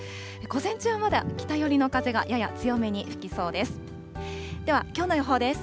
午前中、まだ北寄りの風がやや強めに吹きそうです。